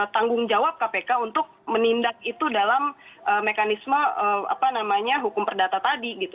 tanggung jawab kpk untuk menindak itu dalam mekanisme hukum perdata tadi gitu